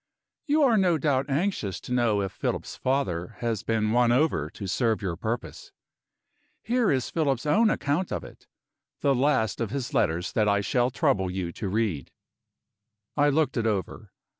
"You are no doubt anxious to know if Philip's father has been won over to serve your purpose. Here is Philip's own account of it: the last of his letters that I shall trouble you to read." I looked it over.